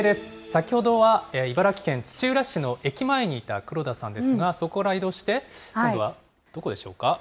先ほどは茨城県土浦市の駅前にいた黒田さんですが、そこから移動して、今度はどこでしょうか。